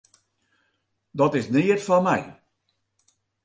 Dat is neat foar my.